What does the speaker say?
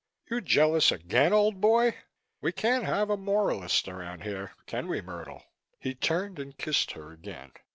You jealous again, old boy? We can't have a moralist around here, can we, Myrtle?" He turned and kissed her again.